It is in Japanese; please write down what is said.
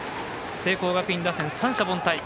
聖光学院打線、三者凡退。